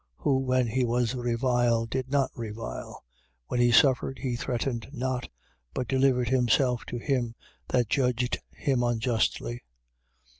2:23. Who, when he was reviled, did not revile: when he suffered, he threatened not, but delivered himself to him that judged him unjustly.